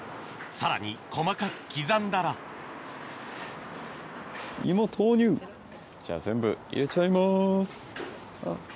さらに細かく刻んだらじゃあ全部入れちゃいます。